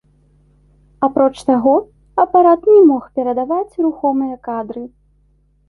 Апроч таго, апарат не мог перадаваць рухомыя кадры.